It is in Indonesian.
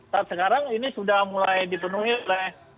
saat sekarang ini sudah mulai dipenuhi oleh